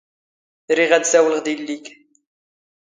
ⵔⵉⵖ ⴰⴷ ⵙⴰⵡⵍⵖ ⴷ ⵉⵍⵍⵉⴽ.